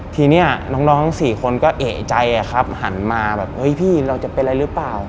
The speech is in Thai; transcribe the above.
ทีเนี่ยน้องทั้ง๔คนก็เอกใจครับหันมาแบบพี่เราจะเป็นอะไรหรือเปล่า